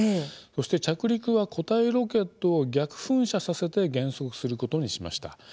そして、着陸は固体ロケットを逆噴射させて減速することにしました。